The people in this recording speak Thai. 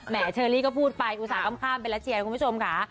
แหมเชอรี่ก็พูดไปอุตส่าห์คล่ำไปละเชียดทุกคนผู้ชมค่ะ